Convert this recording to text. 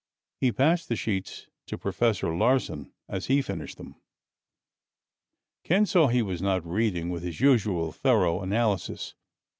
He passed the sheets to Professor Larsen as he finished them. Ken saw he was not reading with his usual thorough analysis.